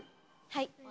はい。